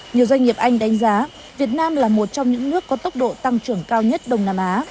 nhiều doanh nghiệp anh đánh giá việt nam là một trong những nước có tốc độ tăng trưởng cao nhất đông nam á